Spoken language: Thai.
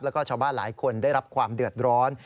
แล้วก็ชาวบ้านหลายคนได้รับความเดือดร้อน